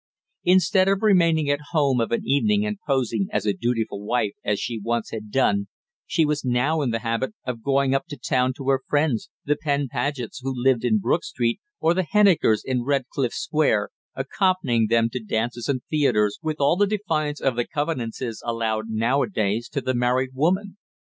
Instead of remaining at home of an evening and posing as a dutiful wife as she once had done, she was now in the habit of going up to town to her friends the Penn Pagets, who lived in Brook Street, or the Hennikers in Redcliffe Square, accompanying them to dances and theatres with all the defiance of the "covenances" allowed nowadays to the married woman.